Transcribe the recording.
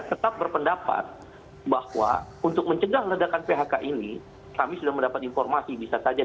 tetap berpendapat bahwa untuk mencegah ledakan phk ini kami sudah mendapat informasi bisa saja